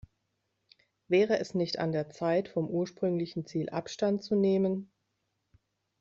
Wäre es nicht an der Zeit, vom ursprünglichen Ziel Abstand zu nehmen?